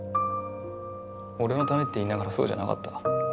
俺のためって言いながらそうじゃなかった。